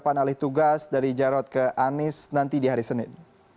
kapan alih tugas dari jarod ke anies nanti di hari senin